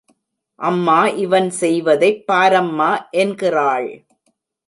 அம்மா இவன் செய்வதைப் பாரம்மா என்கிறாள்.